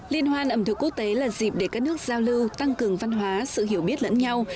liên hoan ẩm thực quốc tế là dịp để các nước giao lưu tăng cường văn hóa sự hiểu biết lẫn nhau